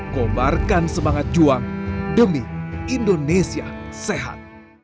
komarkan semangat juang demi indonesia sehat